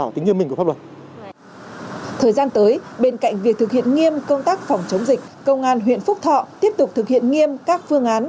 thời gian tới bên cạnh việc thực hiện nghiêm công tác phòng chống dịch công an huyện phúc thọ tiếp tục thực hiện nghiêm các phương án